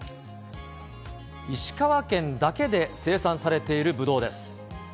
石川県だけで生産されているぶどうです。